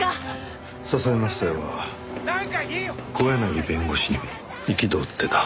笹山夫妻は小柳弁護士にも憤ってた。